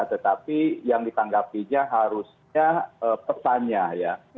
tetapi yang ditanggapinya harusnya pesannya ya